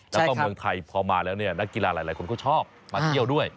แล้วก็เมืองไทยพอมาแล้วเนี่ยนักกีฬาหลายคนก็ชอบมาเที่ยวด้วย